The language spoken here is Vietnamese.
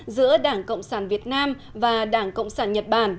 giữa đảng cộng sản việt nam và đảng cộng sản nhật bản